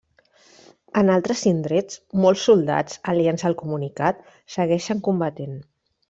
En altres indrets, molts soldats aliens al comunicat, segueixen combatent.